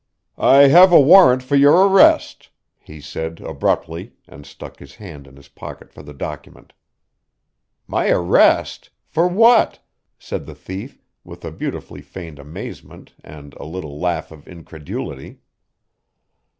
"I have a warrant for your arrest," he said, abruptly, and stuck his hand in his pocket for the document. "My arrest! For what?" said the thief with a beautifully feigned amazement and a little laugh of incredulity.